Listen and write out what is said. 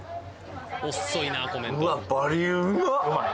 遅いなコメント美味い？